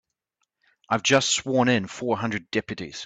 I've just sworn in four hundred deputies.